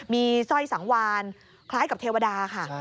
มีสร้อยสังวานคล้ายกับเทวดาค่ะ